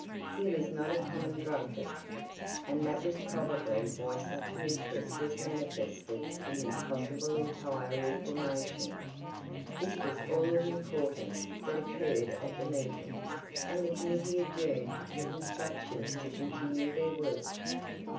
He was not a common drunkard, and that was probably why such an interest was manifested in his possible entire reformation. This was all of importance that occurred at the meeting, and the committee adjourned with instructions to continue their work.